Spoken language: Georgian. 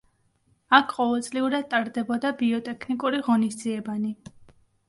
აქ ყოველწლიურად ტარდებოდა ბიოტექნიკური ღონისძიებანი.